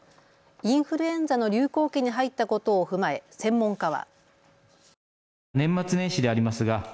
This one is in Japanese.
インフルエンザの流行期に入ったことを踏まえ専門家は。